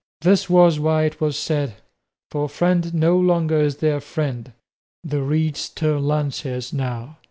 This was why it was said For friend no longer is there friend; The reeds turn lances now.